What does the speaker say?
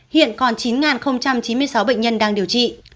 hiện còn chín chín mươi sáu bệnh nhân đang điều trị